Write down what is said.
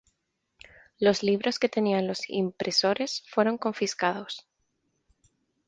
Los libros que tenían los impresores fueron confiscados.